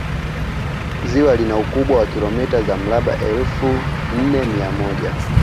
ziwa lina ukubwa wa kilomita za mraba elfu nne mia moja